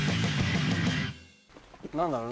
何だろう？